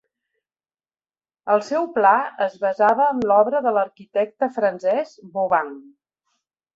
El seu pla es basava en l'obra de l'arquitecte francès Vauban.